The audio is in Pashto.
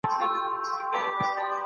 د دولتونو عمر د انسانانو په څېر دی.